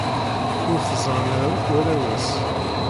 Ur t-ẓerren ara akk warraw-nnes.